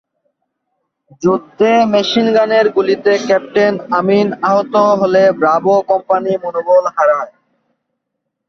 যুদ্ধে মেশিনগানের গুলিতে ক্যাপ্টেন আমিন আহত হলে ব্রাভো কোম্পানি মনোবল হারায়।